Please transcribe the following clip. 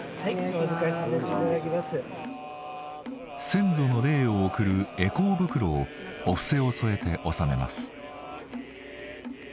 先祖の霊を送る回向袋をお布施を添えて納めます。